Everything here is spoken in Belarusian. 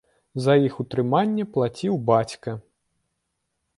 За іх утрыманне плаціў бацька.